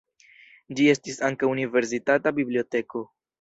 Ĝi estis ankaŭ universitata biblioteko.